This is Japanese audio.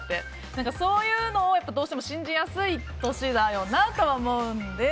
そういうのをどうしても信じやすい年だよなとは思うので。